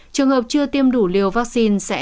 trường hợp chưa tiêm đủ liều vaccine sẽ